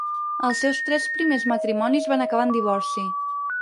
Els seus tres primers matrimonis van acabar en divorci.